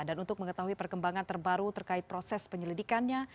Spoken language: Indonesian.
dan untuk mengetahui perkembangan terbaru terkait proses penyelidikannya